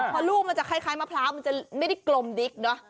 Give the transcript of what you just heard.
พอลูกมันจะคล้ายมะพร้าวมันจะไม่ได้กลมดิ๊กเนอะ